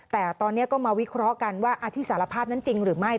แต่ตอนนี้ก็มาวิเคราะห์กันว่าที่สารภาพนั้นจริงหรือไม่